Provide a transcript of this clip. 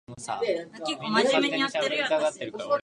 男が林の入り口に消えていったあと、車が走り去る音が聞こえた